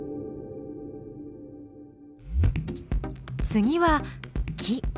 次は木。